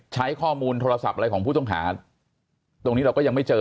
ใช้ข้อมูลโทรศัพท์อะไรของผู้ต้องหาตรงนี้เราก็ยังไม่เจอ